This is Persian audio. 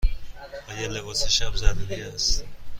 آیا لباس شب ضروری است؟